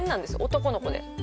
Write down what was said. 男の子で。